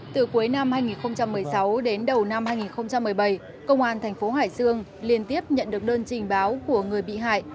từ cuối năm hai nghìn một mươi sáu đến đầu năm hai nghìn một mươi bảy công an thành phố hải dương liên tiếp nhận được đơn trình báo của người bị hại